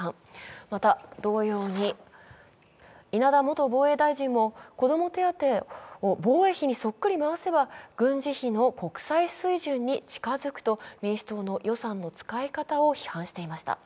また、同様に稲田元防衛大臣も子ども手当を防衛費にそっくり回せば国際水準に近づくと民主党の予算の使い方を批判していました。